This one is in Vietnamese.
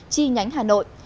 chi nhánh hà nội